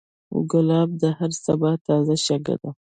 ګلاب د هر سبا تازه شګه ده.